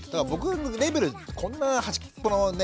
僕レベルこんな端っこのね